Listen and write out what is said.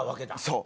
そう。